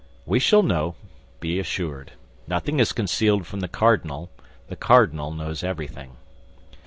"We shall know, be assured. Nothing is concealed from the cardinal; the cardinal knows everything."